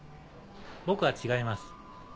僕は違います。